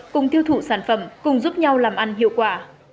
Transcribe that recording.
cùng thiêu thụ sản phẩm cùng giúp nhau làm ăn hiệu quả